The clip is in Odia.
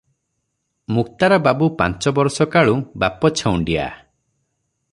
ମୁକ୍ତାରବାବୁ ପାଞ୍ଚ ବରଷ କାଳୁଁ ବାପ ଛେଉଣ୍ଡିଆ ।